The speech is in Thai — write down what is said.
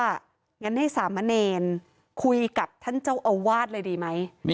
งั้นให้สามะเนรคุยกับท่านเจ้าอาวาสเลยดีไหม